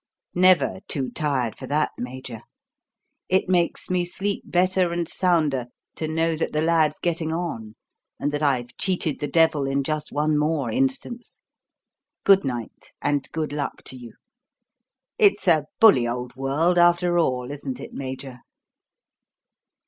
"Never too tired for that, Major. It makes me sleep better and sounder to know that the lad's getting on and that I've cheated the Devil in just one more instance. Good night and good luck to you. It's a bully old world after all, isn't it, Major?"